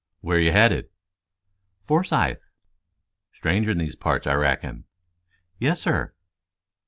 "Where you headed!" "Forsythe." "Stranger in these parts, I reckon?" "Yes, sir."